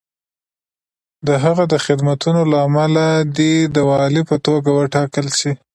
د هغه د خدمتونو له امله دی د والي په توګه وټاکل شو.